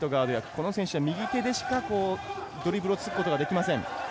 この選手は右手でしかドリブルをつくことができません。